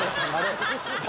誰？